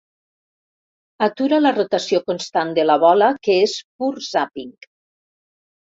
Atura la rotació constant de la bola que és pur zàping.